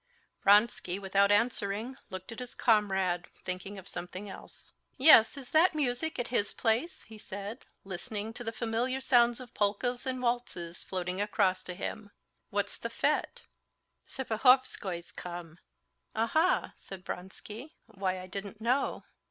Vronsky, without answering, looked at his comrade, thinking of something else. "Yes; is that music at his place?" he said, listening to the familiar sounds of polkas and waltzes floating across to him. "What's the fête?" "Serpuhovskoy's come." "Aha!" said Vronsky, "why, I didn't know."